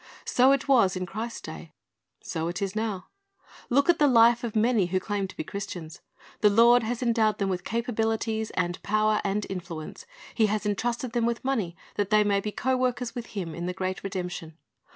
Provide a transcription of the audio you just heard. So it was in Christ's day. So it is now. • Look at the life of many who claim to be Christians. The Lord has endowed them with capabilities, and power, and influence; He has entrusted them with money, that they may be co workers with Him in the great redemption.